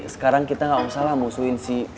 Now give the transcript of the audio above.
sekarang kita nggak usah lah musuhin si